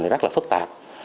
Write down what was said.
rất là phức tạp